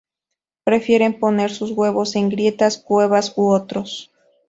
Prefieren poner sus huevos en grietas, cuevas u otros.